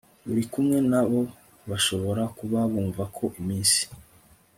uri kumwe na bo bashobora kuba bumva ko iminsi